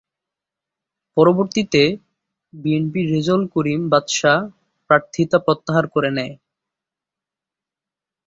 পরবর্তীতে বিএনপির রেজাউল করিম বাদশা প্রার্থীতা প্রত্যাহার করে নেয়।